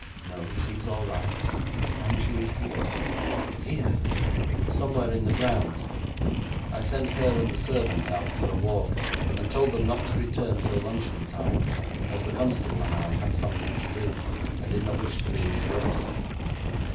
'No. She is all right, and she is here.' 'Here?' 'Somewhere in the grounds. I sent her and the servant out for a walk, and told them not to return till luncheon time, as the constable and I had something to do, and did not wish to be interrupted.'